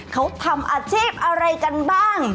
เขาทำอาชีพอะไรกันบ้าง